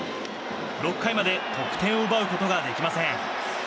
６回まで得点を奪うことができません。